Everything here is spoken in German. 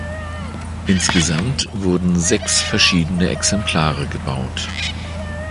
Insgesamt wurden sechs verschiedene Exemplare gebaut.